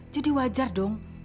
jadi wajar dong